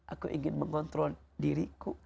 aku ingin mengontrol diriku